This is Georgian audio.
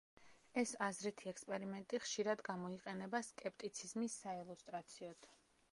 ეს აზრითი ექსპერიმენტი ხშირად გამოიყენება სკეპტიციზმის საილუსტრაციოდ.